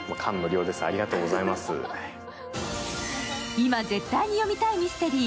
今、絶対に読みたいミステリー。